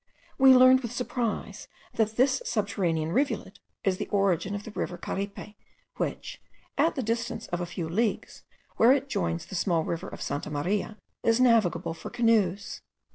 We learned with surprise, that this subterranean rivulet is the origin of the river Caripe, which, at the distance of a few leagues, where it joins the small river of Santa Maria, is navigable for canoes.